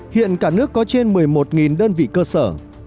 hiện cả nước có trên một mươi một đơn vị cơ sở